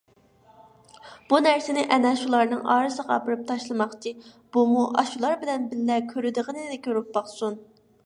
بۇ نەرسىنى ئەنە شۇلارنىڭ ئارىسىغا ئاپىرىپ تاشلىماقچى، بۇمۇ ئاشۇلار بىلەن بىللە كۆرىدىغىنىنى كۆرۈپ باقسۇن.